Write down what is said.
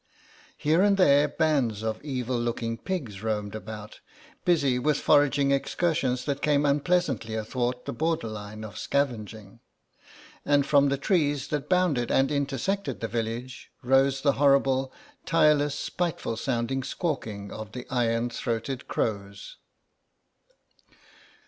Here and there, bands of evil looking pigs roamed about, busy with foraging excursions that came unpleasantly athwart the border line of scavenging. And from the trees that bounded and intersected the village rose the horrible, tireless, spiteful sounding squawking of the iron throated crows.